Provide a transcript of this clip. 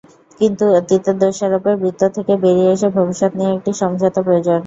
কিন্তু অতীতের দোষারোপের বৃত্ত থেকে বেরিয়ে এসে ভবিষ্যৎ নিয়ে একটি সমঝোতা প্রয়োজন।